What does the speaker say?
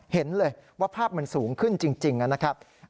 เห็นเลยว่าภาพมันสูงขึ้นจริงนะครับ